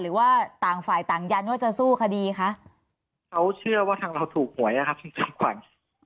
หรือว่าต่างฝ่ายต่างยันว่าจะสู้คดีคะเขาเชื่อว่าทางเราถูกหวยอะครับพี่จอมขวัญ